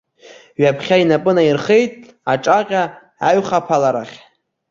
Ҩаԥхьа инапы наирхеит аҿаҟьа аҩхаԥаларахь.